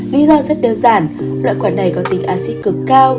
lý do rất đơn giản loại quả này có tính aci cực cao